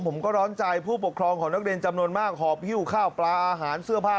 ผมก็ร้อนใจผู้ปกครองของนักเรียนจำนวนมากหอบหิ้วข้าวปลาอาหารเสื้อผ้า